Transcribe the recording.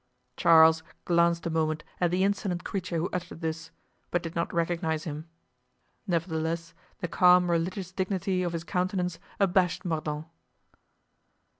Charles glanced a moment at the insolent creature who uttered this, but did not recognize him. Nevertheless, the calm religious dignity of his countenance abashed Mordaunt.